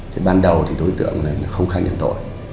thì ban đầu thì đối tượng này không khai nhận tội